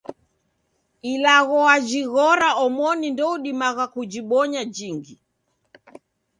Ilagho wajighora omoni ndoudimagha kujibonya jingi.